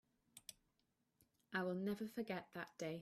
I will never forget that day.